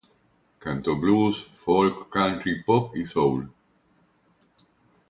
Cantó blues, folk, country, pop y soul.